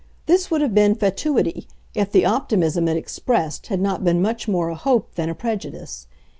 This would have been fatuity if the optimism it expressed had not been much more a hope than a prejudice.